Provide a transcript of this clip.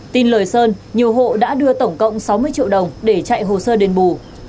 tin lời sơn nhiều hộ đã đưa tổng cộng sáu mươi triệu đồng để chạy hồ sơ đền bù